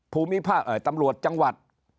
ภูมิภาคตำรวจจังหวัด